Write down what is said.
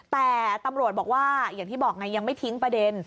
แต่ตำรวจบอกว่าอย่างที่บอกไงยังไม่ทิ้งประเด็น